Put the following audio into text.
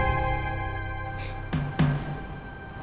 lo tuh cuma mantan